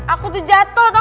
aku tuh jatoh tau gak